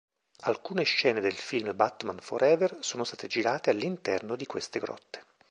Alcune scene del film Batman Forever sono state girate all'interno di queste grotte.